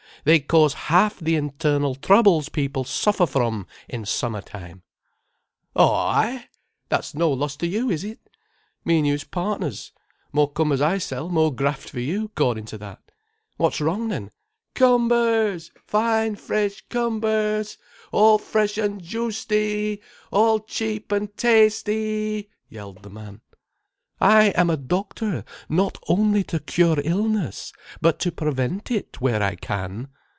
They cause half the internal troubles people suffer from in summertime." "Oh ay! That's no loss to you, is it? Me an' you's partners. More cumbers I sell, more graft for you, 'cordin' to that. What's wrong then. Cum bers! Fine fresh Cum berrrs! All fresh and juisty, all cheap and tasty—!" yelled the man. "I am a doctor not only to cure illness, but to prevent it where I can.